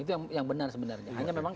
itu yang benar sebenarnya hanya memang